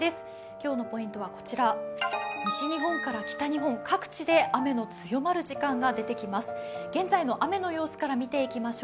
今日のポイントはこちら、西日本から北日本、各地で雨の強まる時間が出てきます。